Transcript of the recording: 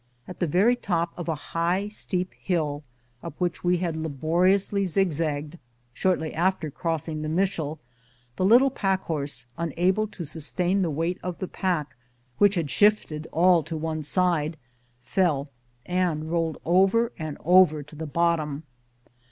At the very top of a high, steep hill, up which we had laboriously zigzagged shortly after crossing the Mishell, the little packhorse, unable to sustain the weight of the pack, which had shifted all to one side, fell and rolled over and over to the bottom.